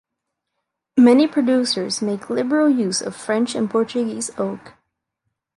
Many producers make liberal use of French and Portuguese oak.